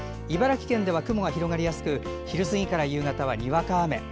茨城県では雲が広がりやすく昼過ぎから夕方は、にわか雨。